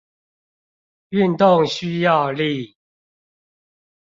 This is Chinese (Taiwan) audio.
運動需要力